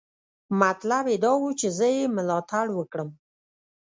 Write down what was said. مطلب یې دا و چې زه یې ملاتړ وکړم.